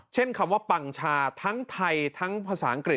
คำว่าปังชาทั้งไทยทั้งภาษาอังกฤษ